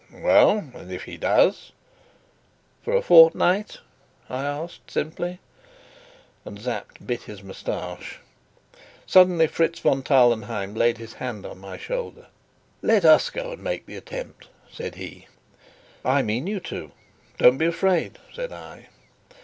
"Well, and if he does?" "For a fortnight?" I asked simply. And Sapt bit his moustache. Suddenly Fritz von Tarlenheim laid his hand on my shoulder. "Let us go and make the attempt," said he. "I mean you to go don't be afraid," said I.